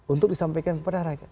untuk disampaikan kepada rakyat